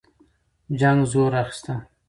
جنګ زور اخیسته.